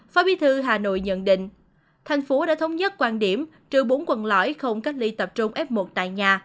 phó bí thư hà nội nhận định thành phố đã thống nhất quan điểm trừ bốn quận lõi không cách ly tập trung f một tại nhà